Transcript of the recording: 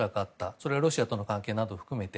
それはロシアとの関係など含めて。